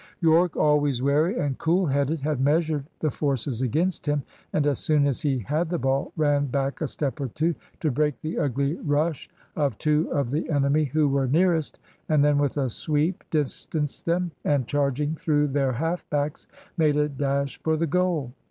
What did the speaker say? Yorke, always wary and cool headed, had measured the forces against him, and as soon as he had the ball, ran back a step or two, to break the ugly rush of two of the enemy who were nearest, and then with a sweep distanced them, and charging through their half backs made a dash for the goal.